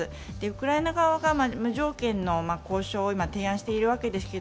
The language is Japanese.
ウクライナ側が無条件の交渉を提案しているわけですが、